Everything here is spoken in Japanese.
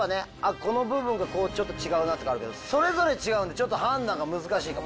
この部分がちょっと違うなとかあるけどそれぞれ違うんでちょっと判断が難しいかも。